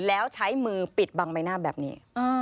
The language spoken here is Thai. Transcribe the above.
แล้วใช้มือปิดบังใบหน้าแบบนี้